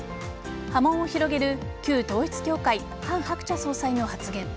波紋を広げる旧統一教会ハン・ハクチャ総裁の発言。